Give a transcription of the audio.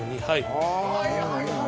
はいはい。